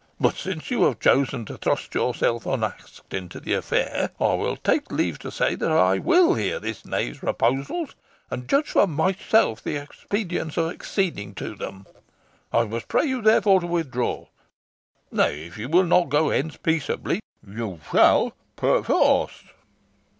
But since you have chosen to thrust yourself unasked into the affair, I take leave to say that I will hear this knave's proposals, and judge for myself of the expediency of acceding to them. I must pray you therefore, to withdraw. Nay, if you will not go hence peaceably, you shall perforce.